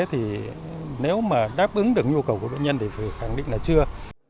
thì nếu mà đáp ứng được nhu cầu của bệnh nhân thì phải khẳng định là chưa